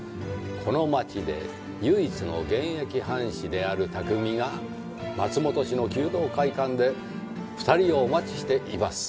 この町で唯一の現役範士である匠が松本市の弓道会館で２人をお待ちしています。